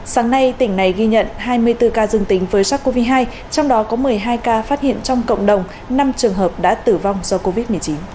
sáng nay tỉnh này ghi nhận hai mươi bốn ca dương tính với sars cov hai trong đó có một mươi hai ca phát hiện trong cộng đồng năm trường hợp đã tử vong do covid một mươi chín